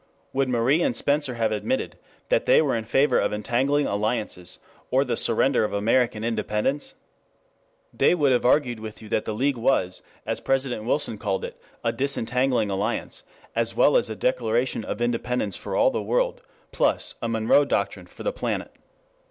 Would Marie and Spencer have admitted that they were in favor of entangling alliances or the surrender of American independence? They would have argued with you that the League was, as President Wilson called it, a disentangling alliance, as well as a Declaration of Independence for all the world, plus a Monroe Doctrine for the planet.